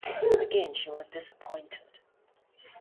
Again she was disappointed.